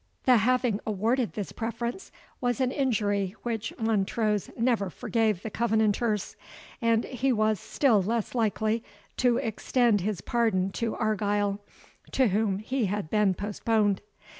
The having awarded this preference, was an injury which Montrose never forgave the Covenanters; and he was still less likely to extend his pardon to Argyle, to whom he had been postponed.